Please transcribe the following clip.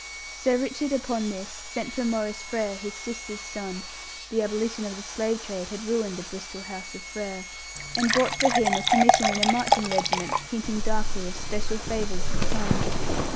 Sir Richard, upon this, sent for Maurice Frere, his sister's son the abolition of the slave trade had ruined the Bristol House of Frere and bought for him a commission in a marching regiment, hinting darkly of special favours to come.